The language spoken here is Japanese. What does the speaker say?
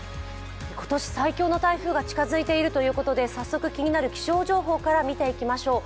今年最強の台風が近づいているということで早速気になる気象情報から見ていきましょう。